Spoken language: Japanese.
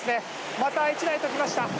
また１台と来ました。